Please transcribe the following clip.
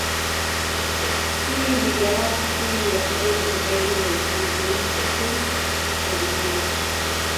Hii ni galaksi ya karibu zaidi na Njia Nyeupe na Dunia.